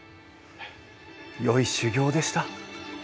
よい修行でした。